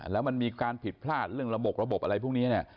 แล้วมันมีการผิดพลาดเรื่องระบบระบบอะไรพวกนี้เนี่ย